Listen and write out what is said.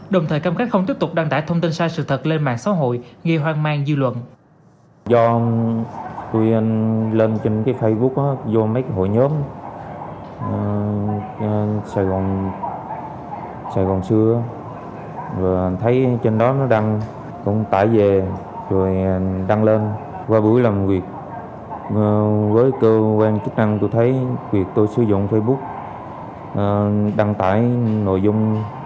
đồng thời cảm khắc không tiếp tục đăng tải thông tin sai sự thật lên mạng xã hội ghi hoang mang dư luận